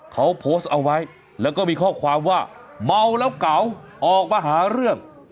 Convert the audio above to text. เขาโพสต์เอาไว้แล้วก็มีข้อความว่าเมาแล้วเก๋าออกมาหาเรื่อง